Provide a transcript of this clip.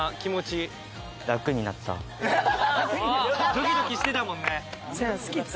ドキドキしてたもんね。